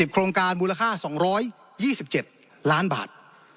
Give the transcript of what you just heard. โครงการมูลค่า๒๒๗ล้านบาท